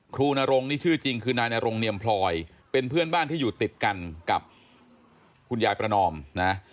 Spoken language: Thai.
นรงนี่ชื่อจริงคือนายนรงเนียมพลอยเป็นเพื่อนบ้านที่อยู่ติดกันกับคุณยายประนอมนะ